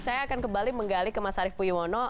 saya akan kembali menggali ke mas arief puyono